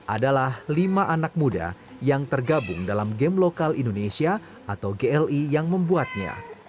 adalah lima anak muda yang tergabung dalam game lokal indonesia atau gli yang membuatnya